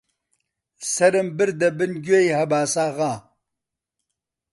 سەرم بردە بن گوێی هەباساغا: